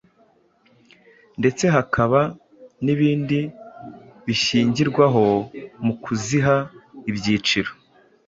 ndetse hakaba n’ibindi bishingirwaho mu kuziha ibyiciro.